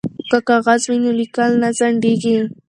که کاغذ وي نو لیکل نه ځنډیږي.